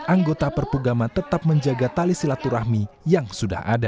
anggota perpugaman tetap menjaga tali silaturahmi yang sudah ada